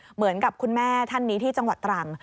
เหมือนกับคุณแม่ท่านนี้ที่จังหวัดตรัง